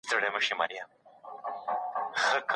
ما پرون کور پاک کړ.